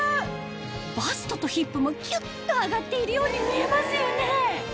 バストとヒップもキュっと上がっているように見えますよね